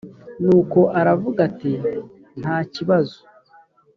nuko aravuga ati “nta kibazo”.